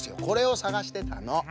これをさがしてたの。